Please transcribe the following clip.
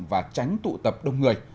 và tránh tụ tập đông người